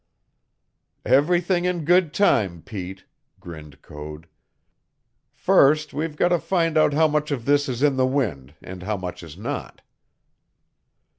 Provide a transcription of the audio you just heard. "Everything in good time, Pete," grinned Code. "First we've got to find out how much of this is in the wind and how much is not."